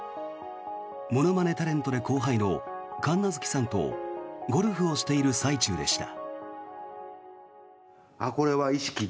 ものまねタレントで後輩の神奈月さんとゴルフをしている最中でした。